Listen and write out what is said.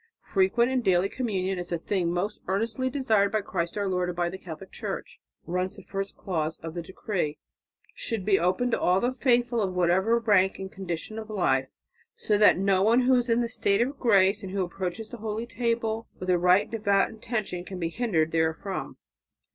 "Frequent and daily communion, as a thing most earnestly desired by Christ our Lord and by the Catholic Church," runs the first clause of the decree, "should be open to all the faithful of whatever rank and condition of life, so that no one who is in the state of grace, and who approaches the holy table with a right and devout intention, can be hindered therefrom."